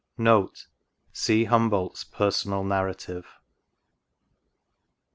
See Humboldt's Personal Narrative.